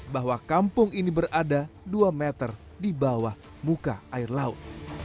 bahwa kampung ini berada dua meter di bawah muka air laut